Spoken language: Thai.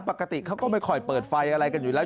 ปกติเขาก็ไม่ค่อยเปิดไฟอะไรกันอยู่แล้ว